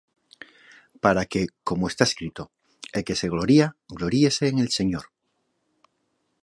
Para que, como está escrito: El que se gloría, gloríese en el Señor.